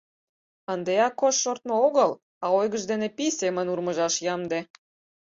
Ынде Акош шортмо огыл, а ойгыж дене пий семын урмыжаш ямде.